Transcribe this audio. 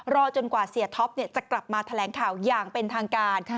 จนกว่าเสียท็อปจะกลับมาแถลงข่าวอย่างเป็นทางการ